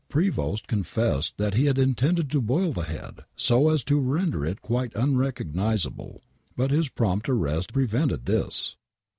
Prevost confessed he had intended to boil the head so as to render it quite unrecognizable, but his prompt arrest prevented this